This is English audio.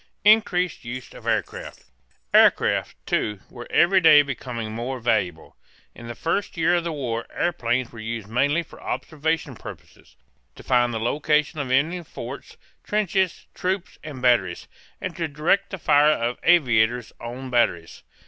INCREASED USE OF AIRCRAFT. Aircraft, too, were every day becoming more valuable. In the first year of the war airplanes were used mainly for observation purposes: to find the location of enemy forts, trenches, troops, and batteries; and to direct the fire of the aviator's own batteries.